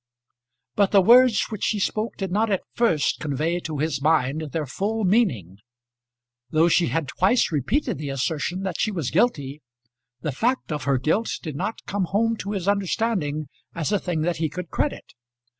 But the words which she spoke did not at first convey to his mind their full meaning. Though she had twice repeated the assertion that she was guilty, the fact of her guilt did not come home to his understanding as a thing that he could credit.